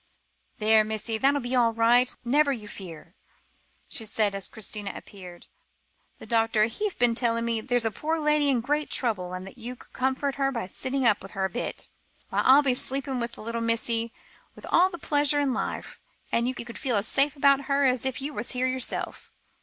"There, missy, that'll be all right, never you fear," she said as Christina appeared; "the doctor, he've been telling me there's a poor lady in great trouble, and that you could comfort her by sitting up with her a bit. Why, I'll sleep with the little missy with all the pleasure in life, and you can feel as safe about her, as if you was here yourself."